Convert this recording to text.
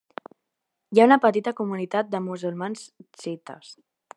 Hi ha una petita comunitat de musulmans xiïtes.